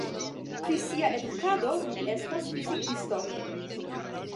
Pri sia edukado li estas fizikisto.